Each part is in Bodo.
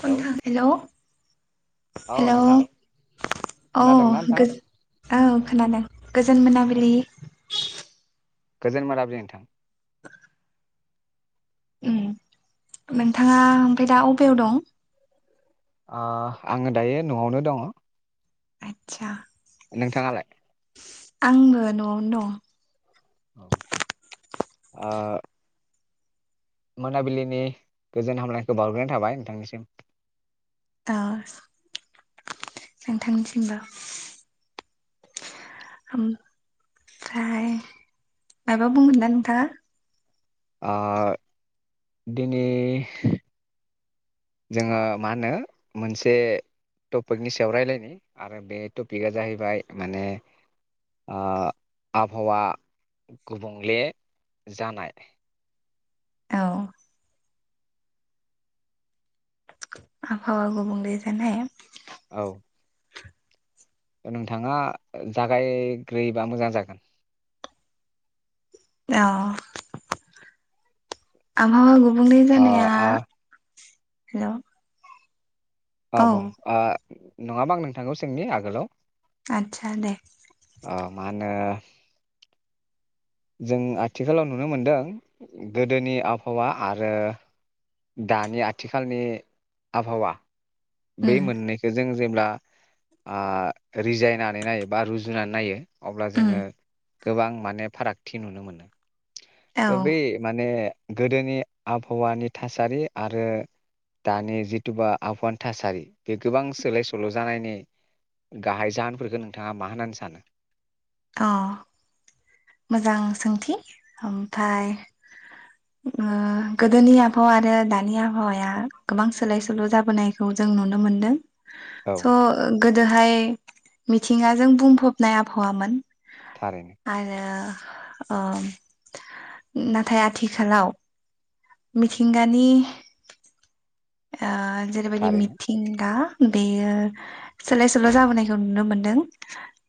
हेलौ हेल' औ हेल' नोंथां अ खोनादोंना नोंथां गो औ खोनादों। गोजोन मोनाबिलि। गोजोन मोनाबिलि नोंथां। उम नोंथाङा ओमफ्राय दा अबेयाव दं? आ आङो दायो न'आवनो दङ। आत्सा नोंथाङालाय? आंबो न'आवनो दं। आ मोनाबिलिनि गोजोन हामलायखौ बावहरग्रोनाय थाबाय नोंथांनिसिम। औ नोंथांनिसिमबो। ओम फ्राय मायाबा बुंगोन ना नोंथाङा? अ दिनै जोङो मा होनो मोनसे टपिकनि सायाव रायलायनि आरो बे टपिकआ जाहैबाय माने ओ आबहावा गुबुंले जानाय। औ आबहावा गुबुंले जानाय? औ नोंथाङा जागायग्रोयोबा मोजां जागोन। औ आबहावा गुबुंले ओ जानाया ओ हेलौ अ औ बुं आ नङाबा आं नोंथाखौ सोंनि आगोलाव आदसा दे अ मा होनो जों आथिखालाव नुनो मोनदों गोदोनि आबहावा आरो दानि आथिखालनि आबहावा बे उम मोननैखो जों जेब्ला आ रिजायनानै नायो बा रुजुनानै नायो अब्ला उम जोङो गोबां माने फारागथि नुनो मोनो। औ ओ बे माने गोदोनि आबहावानि थासारि आरो दानि जिथुुबा आबहावानि थासारि बे गोबां सोलाय सोल' जानायनि गाहाय जाहोनफोरखौ नोंथाङा मा होननानै सानो? अ मोजां सोंथि। ओमफाय ओ गोदोनि आबहावा आरो दानि आबहावाया गोबां सोलाय सोल' जाबोनायखौ जों नुनो मोनदों। औ स' गो दोहाय मिथिंगाजों बुंफबनाय आबहावामोन। थारैनो आ आ नाथाय आथिखालाव मिथिंगानि आ जेरैबायदि थारैनो मिथिंगा बेयो सोलाय सोल' जाबोनायखौ नुनो मोनदों।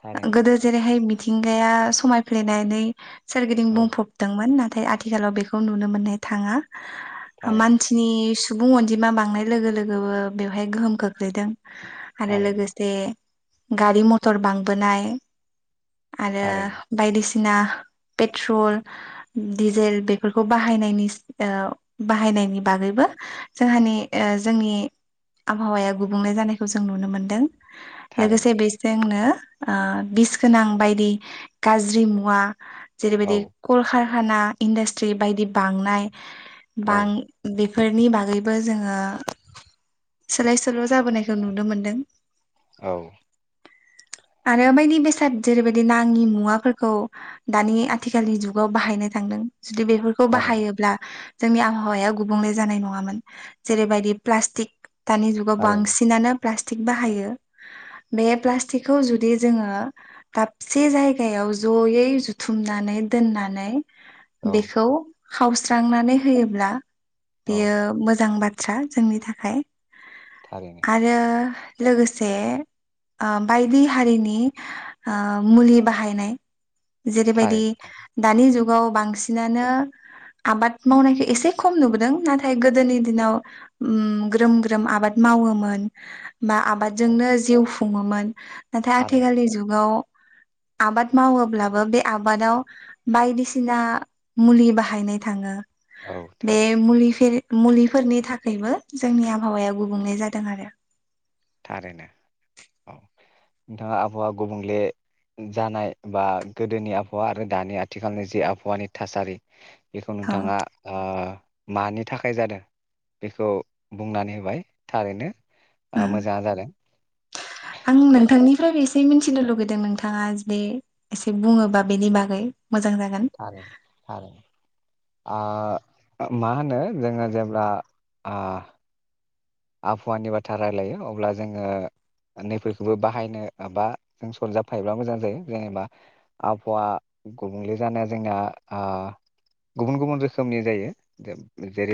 थारैनो गोदो जेरैहाय बि मिथिंगाया समायफ्लेनानै सोरगिदिं औ बुंफबदोंमोन ना थाय आथिखालाव बेखौ नुनो मोननाय थाङा। थारैनो मानसिनि सु [unintelligible] अनजिमा बांनाय लोगो लोगोबो बेवहाय गोहोम खोख्लैदों। आरो थारैनो लोगोसे गारि मथर बांबोनाय आरो थारैनो बायदिसि ना पेथ्रल दिजेल बेफोरखौ बाहायनायनि ओ बाहायनायनि बागैबो जोंहानि ओ जोंनि आबहावाया गुबुंले जानायखौ जों नुनो मोनदों। लोगोसे थारैनो बेजजोंनो आ बिस गोनां बायदि गाज्रि मुवा औ जेरैबायदि कलखार खाना इन्डासट्रि बायदि बांनाय औ बां बि फोरनि बागै बो जोङो सोलाय-सोल' जाबोनायखौ नुनो मोनदों औ आरो बायदि बेसाद जेरैबायदि नाङि मुवाफोरखौ दानि आथिखालनि जुगाव बाहायनो थांदों जुदि बेफोरखौ थारैनो बाहायोब्ला जोंनि आबहावाया गुबुंले जानाय नङामोन। जेरैबायदि प्लास्टिक। दानि जुगाव थारैनो बांसिनानो प्लास्टिक बाहायो बे प्लास्टिकखौ जुदि जोङो दाबसे जायगायाव जयै जुथुमनानै दोननानै औ बेखौ खावस्रांनानै होयोब्ला। औ बेयो मो जां बाथ्रा जोंनि थाखाय। थारैनो आरो लोगोसे आ बायदि हारिनि आ मुलि बाहायनाय जेरैबायदि थारैनो थारैनो दानि जु गाव बांसिनानो आबाद मावनायखो एसे खम नुबोदों नाथाय गोदोनि दिनाव उम ग्रोम-ग्रोम आबाद मावोमोन। बा औ आबादजोंनो जिउ खुङोमोन। नाथाय थारैनो आथिखालनि जुगाव आबाद मावोब्लाबो बे आबादाव बायदिसिना मुलि बाहायनाय थाङो। औ बे थारैनो मुलि फेर मुलि फोरनि थाखायबो जोंनि आबहावाया गुबुंले जादों आरो। थारैनो औ नोंथाङा आबहावा गुबुंले जानाय बा गोदोनि आबहावा आरो दानि आथिखालनि जि आबहावानि थासारि बेखौ औ नोंथाङा ओ मानि थाखाय जादों बेखौ बुंनानै होबाय थारैनो। ओ उम मो आं नोंथांनि फ्राय एसे मिथिनो लुगैदों नोंथाङा जुदि एसे बुङोबा बेनि बागै। मोजां जागोन थार थार। आ मा होनो जोङो जेब्ला आ आबहावानि बाथ्रा रायलायो अब्ला जोङो नैफोरखौबो बाहायनो बा जों सरजाबफायोब्ला मोजां जायो जेनेबा आबहावा गुबुंले जानाया जोंना गुबुन गुबुन रोखोमनि जायो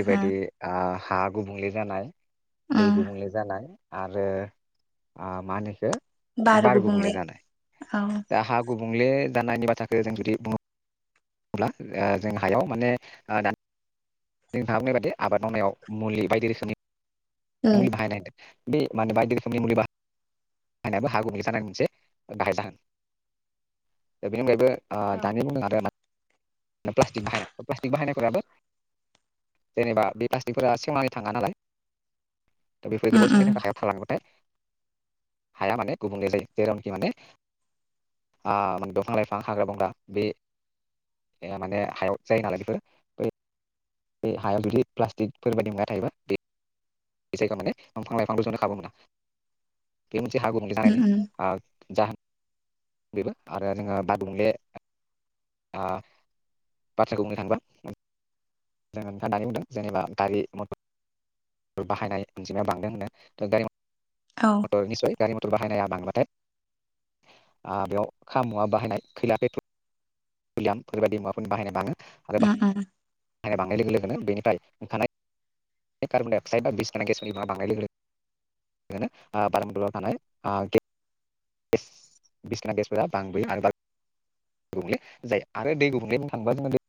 उम हा गुबुंले जानाय। दै उम गुबुंले जानायाआरो आ मा होनो बेखौ बार गुबुंले आ। दा हा गुबुंले दाननायनि बाथ्राखौ जों जुदि बुङो [unintelligible] होनब्ला जों हायाव माने दानि [inaudible] जों थाङाबोननाय बाददि आबाद मावनायाव मुलि बायदि रोखोमनि [inaudible] मुलि बाहायनाय होन्दों बे माहोनो बायदि रोखोमनि मुलि बा हायनायाबो हा गुबुंले जानायनि मोनसे गाहाय जाहोन दा बेनि अनगायैबो आ औ दानि बुंदों आदाया प्लास्टिक बाहायनाय प्लास्टिक बाहायनायफोराबो जेनेबा बे प्लास्टिकफोरा सेवनानै थाङा नालाय दा बेफोर उम गोबाव समनि उम थाखाय हायाव थालांबाथाय हाया माने गुबुंले जायो जेरावनेकि माने आ दंफां लाइफां हाग्रा बंग्रा बे माने हायाव जायो नालाय बेफोर बै बे हायाव जुदि प्लास्टिकफोरबायदि मुवा थायोबा बे बे जायगायाव माने दंफां लाइफांबो जनो खाबु मोना बे मोनसे हा गुबुंले उम जानायनि उम आ जाहोन बेबो आरो जोङो बार गुबुंले आ बाथ्राखौ बुंनो थांबा जोङो नोंथा दानि बुंदों जेनेबा गारि मथर बाहायनाय अनजिमाया बांदों होनो त गारि औ मतर निसाय गारि मथर बाहायनाया बांब्लाथाय आ बेयाव खा मुवा बाहायनाय खैला पेट्रलिआम फोरबायदि मुवाफोर बाहायनाय बाङो। आरो ओम ओम बाहायनाय बांनाय लोगो लोगोनो बेनिफ्राय ओंखारनाय कार्बन दाइ अक्साइड बा बिस गोनां गेसाफोरनि बिबां बांनाय लोगो लोगोनो आ बारमनदलाव थानाय आ गे बिसगोनां गेसफोरा बांबोयो आरो गुबुंले जायो आरो दै गुबुंले बुंनो थांबा जोङो दै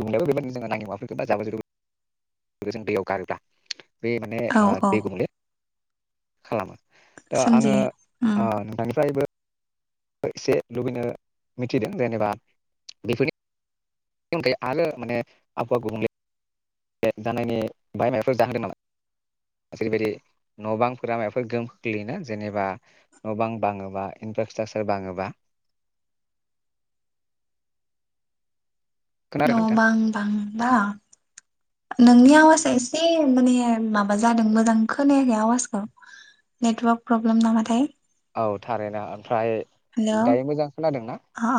गुबुंलेयाबो बेबायदि जोङो नाङि माफोरखौ बा जाबो जोथोरफोरखौ जों दैयाव गारोब्ला बे माने औ आ औ दै गुबुंले खालामो। दा आङो सोमजियो अ उम नोंथांनिफ्रायबो एसे लुबैनो मिथिदों जेनेबा बेफोरनि अनगायै आरो माने आबहावा गुबुंले बे जानायनि बाहाय माबाफोर जाहोदों नामा जेरैबायदि न' बांफोरा माबाफोर गोहोम खोग्लैयनो जेनेबा न' बां बाङोबा इनफ्रास्ट्राकसार बाङोबा [inaudible] खोनादों न' नोंथां बां बां बा नोंनि आवाजआ एसे माने माबा जादों मोजां खोनायाखै आवाजखौ नेटवार्क प्रब्लेम नामाथाय औ थारैना हेलौ अ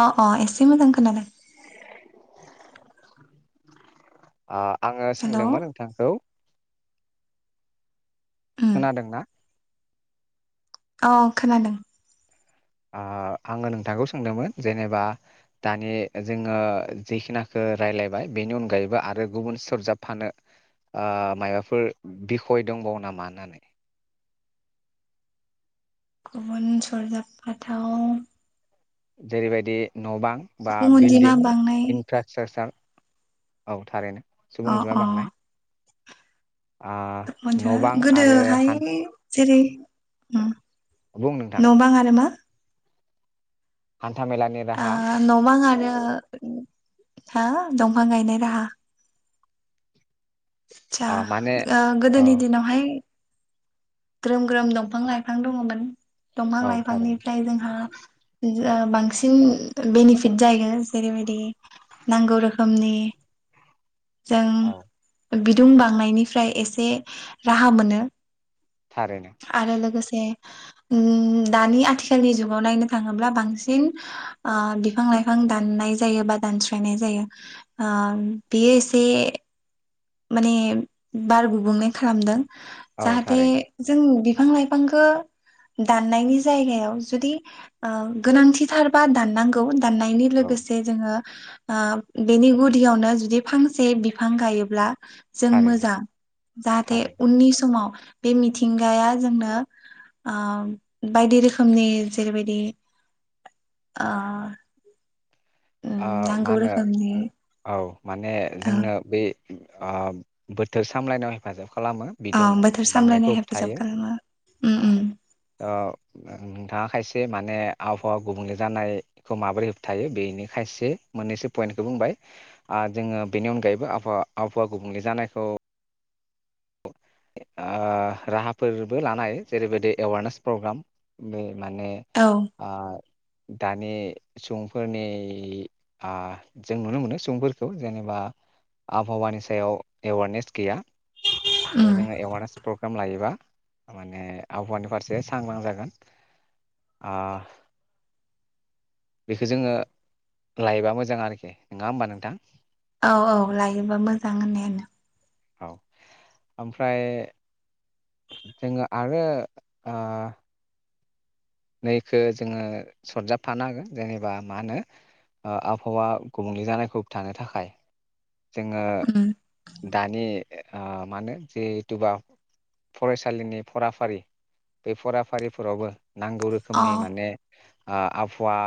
अ अ अ एसे मोजां खोनादों [unintelligible] आ आङो हेलौ सोंदोमोन नोंथांखौ उम खोनादोंना? औ खोनादों ओ आङो नोंथांखौ सोंदोंमोन जेनेबा दानि जोङो जिखिनाखो रायलायबाय बेनि अनगायैबो आरो गुबुन सरजाबफानो ओ मायबाफोर बिखय दंबावो नामा होननानै गुबुन सरजाब फाथाव जेरैबायदि न बां बा सुबुं अनजिमा बिल्डिं बांनाय इनफ्रास्ट्राकसार औ थारैनो। सुबुं अनजिमा बांनाय। आ मोनजा न' बां आरो गोदोहाय। हान जेरै उम। बुं नोंथां न बां आरो मा। हान्था मेलानि ओ राहा न बां आरो। ओ साहा दंफां गायनाय राहा आ साह माने औ गोदोनि दिनावहाय। ग्रोम ग्रोम दंफां लाइफां दङमोन। दंफां औ थारैनो लाइफांनिफ्राय जोंहा [unintelligible] ओ बांसिन बेनिफिट जायो जेरैबायदि नांगौ रोखोमनि। औ जों बि। दुं बांनायनिफ्राय एसे राहा मोनो। थारैनो आरो लोगोसे। उम दानि आथिखालनि जुगाव नायनो थाङोब्ला बांसिन ओ-बिफां लाइफां दाननाय जायो बा दानस्रायनाय जायो ओ बेयो एसे। माने बार गुबुंले खालामदों। औ जाहाथे थारैनो जों। बिफां लाइफांखो दाननायनि जायगायाव जुदि ओ गोनांथिथारबा दाननांगौ। दाननायनि औ लोगोसे जोङो। ओ बेनि गुदियावनो जुदि फांसे बिफां गायोब्ला। जों थारैनो मोजा जाहाथे थारैनो उननि समाव। बे मिथिंगाया जोंनो ओ बायदि रोखोमनि जेरैबायदि ओ। उम ओ-मा नांगौ होनो रोखोमनि औ माने ओ जोंनो बे। ओ बोथोर सामलायनायाव हेफाजाब। खालामो औ बिदुं बोथोर बांनायखौ सामलायनाय हेफाजाब होबथायो खालामो उम उम ओ-नोंथाङा खायसे मान। माने आबहावा गुबुंले जानाय-खौ माबोरै होबथायो बेनि। खायसे मोननैसो पइन्टखौ बुंबाय आरो जोङो बेनि अनगायैबो आबहावा-आबहावा गुबुंले जानायखौ। ओ-राहाफोरबो लानाय जेरैबायदि एवारनेस प्रग्राम बे। माने औ ओ। दानि सुबुंफोरनि ओ- जों नुनो मोनो सुबुंफोरखौ जेनेबा आबहावानि सायाव एवारनेस गैया। थ उम जोङो एवारनेस प्रग्राम लायोबा माने आबहावानि फारसे सांग्रां जागोन ओ बेखौ जोङो लायोबा मोजां आरोखि नङा होमबा नोंथां। औ औ लायोबा मोजां होननायानो। औ ओमफ्राय। जोङो आरो ओ। नै इखौ जोङो सरजाबफानो हागोन जेनेबा मा होनो आबहावा गुबुंले जानायखौ होबथानो थाखाय। जोङो। उम दानि मा होनो जिहेथुबा फरायसालिनि फराफारि बे फराफारिफोरावबो नांगौ अ रोखोमनि माने आबहावा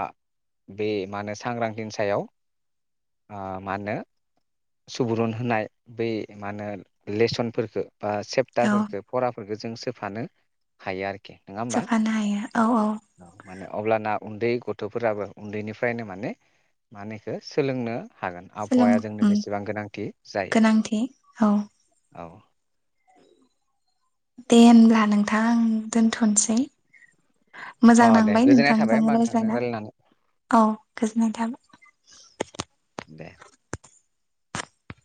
बे मा होनो सांग्रांथिनि सायाव मा होनो? सुबुरुन होनाय बै मा होनो लेसनफोरखौ बा औ सेेप्टारफोरखौ फराफोरफोरखौ जों सोफानो हायो आरोखि अके नङा होमबा सोफानो हायो औ औ मानो अब्लाना उन्दै गथ'फोराबो उन्दैनिफ्रायनो माने मा होनो इखौ सोलोंनो हागोन सोलों आबहावाया उम बेसेबां गोनांथि जायो? गोनांथि औ औ दे होनब्ला नोंथां आं दोनथ'नोसै। अ मोजां दे नांबाय गोजोननाय थाबाय नोंथांजों होमबा नोंथांजों रायज्लायना रायलायनानै औ गोजोननाय थाबाय। दे